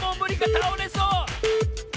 たおれそう！